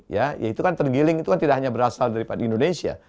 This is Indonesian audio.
ya itu kan tergiling itu kan tidak hanya berasal dari indonesia